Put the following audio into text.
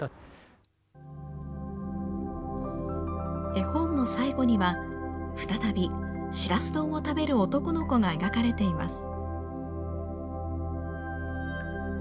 絵本の最後には、再び、しらす丼を食べる男の子が描かれています。